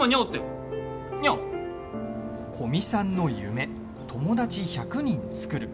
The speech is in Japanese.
古見さんの夢、友達１００人作る。